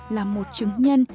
là một chứng nhân